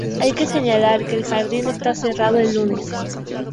Hay que señalar que el jardín está cerrado el lunes.